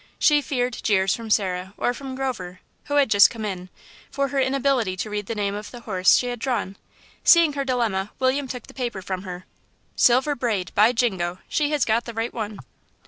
She feared jeers from Sarah, or from Grover, who had just come in, for her inability to read the name of the horse she had drawn. Seeing her dilemma, William took her paper from her. "Silver Braid.... by Jingo! She has got the right one."